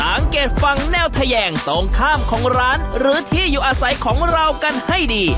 สังเกตฟังแนวทะแยงตรงข้ามของร้านหรือที่อยู่อาศัยของเรากันให้ดี